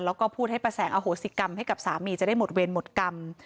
แล้วก็พูดให้ป้าแสงอโหสิกรรมให้กับสามีจะได้หมดเวรหมดกรรม